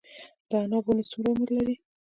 د عناب ونې څومره عمر لري؟